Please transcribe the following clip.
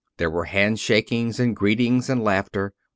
There were handshakings and greetings and laughter.